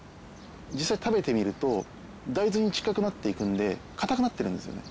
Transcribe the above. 実際食べてみると大豆に近くなっていくんで硬くなってるんですよね。